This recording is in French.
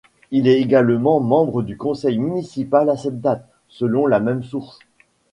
Il est également membre du conseil municipal à cette date, selon la même source.